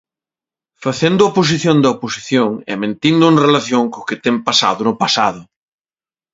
Facendo oposición da oposición e mentindo en relación co que ten pasado no pasado.